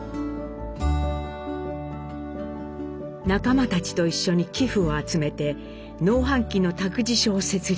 仲間たちと一緒に寄付を集めて農繁期の託児所を設立。